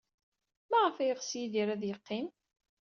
Maɣef ay yeɣs Yidir ad yeqqim?